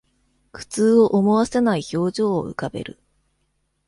苦痛を思わせない表情を浮かべる